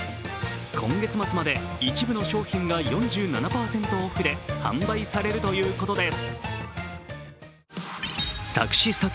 今月末まで一部の商品が４７％オフで販売されるということです。